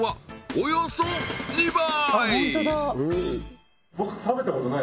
およそ２倍